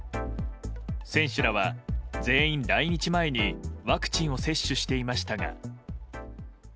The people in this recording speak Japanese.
選手らは全員来日前にワクチンを接種していましたが。